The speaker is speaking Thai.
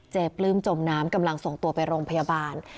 ปลื้มจมน้ำกำลังส่งตัวไปโรงพยาบาล